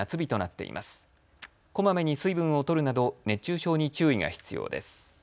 こまめに水分をとるなど熱中症に注意が必要です。